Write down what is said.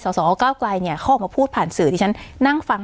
สาวของเก้าไกรเนี่ยเข้ามาพูดผ่านสื่อที่ฉันนั่งฟัง